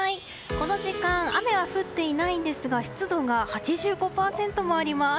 この時間雨は降っていないんですが湿度が８５％もあります。